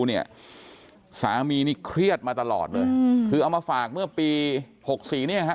เนี่ยสามีนี่เครียดมาตลอดเลยคือเอามาฝากเมื่อปีหกสี่เนี่ยฮะ